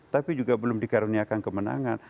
tapi juga belum dikaruniakan kemenangan